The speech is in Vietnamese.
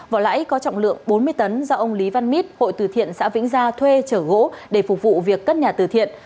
vỏ lãi có trọng lượng bốn mươi tấn do ông lý văn mít hội từ thiện xã vĩnh gia thuê chở gỗ để phục vụ việc cất nhà từ thiện